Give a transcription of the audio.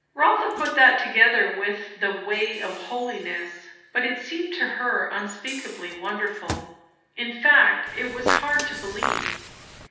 Rotha put that together with the "way of holiness," but it seemed to her unspeakably wonderful. In fact, it was hard to believe.